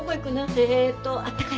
えーっとあったかいとこ？